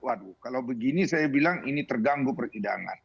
waduh kalau begini saya bilang ini terganggu persidangan